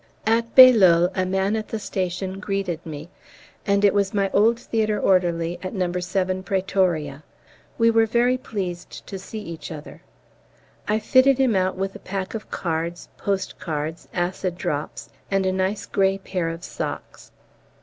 At B. a man at the station greeted me, and it was my old theatre orderly at No. 7 Pretoria. We were very pleased to see each other. I fitted him out with a pack of cards, post cards, acid drops, and a nice grey pair of socks.